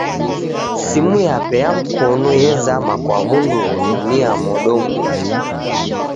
Simu yape ya mkonu ezama kwa w'undu ghotumia modo mungi.